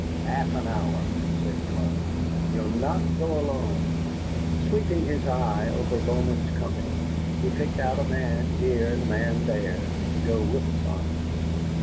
"Half an hour," said Clark, "and you'll not go alone." Sweeping his eye over Bowman's company, he picked out a man here and a man there to go with Saunders.